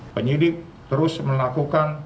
penyidik terus melakukan